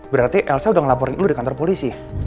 berarti elsa udah ngelaporin lo di kantor polisi